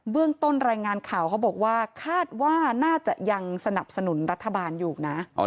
เรื่องต้นรายงานข่าวเขาบอกว่าคาดว่าน่าจะยังสนับสนุนรัฐบาลอยู่นะ